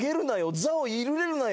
「ざ」を入れるなよ。